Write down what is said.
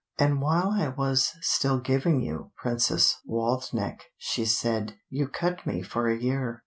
"And while I was still giving you 'Princess Waldenech'," she said, "you cut me for a year."